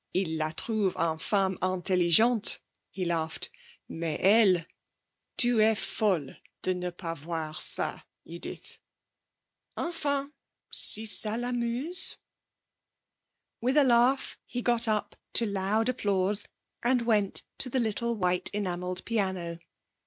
Il la trouve une femme intelligente,' he laughed. 'Mais elle! Tu est folle de ne pas voir ça, Edith. Enfin! Si ça l'amuse?' With a laugh he got up, to loud applause, and went to the little white enamelled piano.